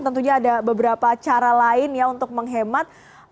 tentunya ada beberapa cara lain ya untuk menghemat